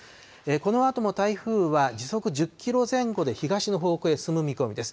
このあとも台風は時速１０キロ前後で東の方向に進む見込みです。